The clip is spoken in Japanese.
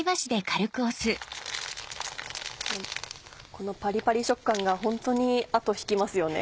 このパリパリ食感がホントに後引きますよね。